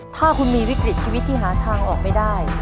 ถ้าคุณมีวิกฤตชีวิตที่หาทางออกไม่ได้